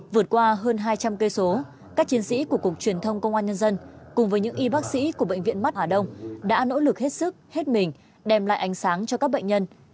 vượt qua hơn hai trăm linh cây số các chiến sĩ của cục truyền thông công an nhân dân cùng với những y bác sĩ của bệnh viện mắt hà đông đã nỗ lực hết sức hết mình đem lại ánh sáng cho các bệnh nhân